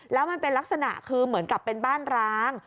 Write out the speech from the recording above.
แล้วมันเป็นลักษณะคือเหมือนกับเป็นบ้านร้าง